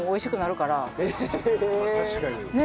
確かに。